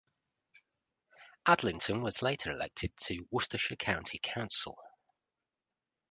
Aldington was later elected to Worcestershire County Council.